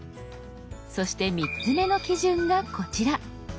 そして３つ目の基準がこちら。